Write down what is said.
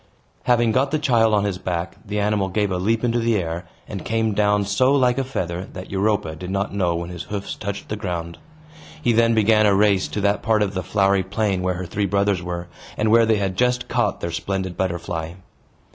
Having got the child on his back, the animal gave a leap into the air, and came down so like a feather that Europa did not know when his hoofs touched the ground. He then began a race to that part of the flowery plain where her three brothers were, and where they had just caught their splendid butterfly.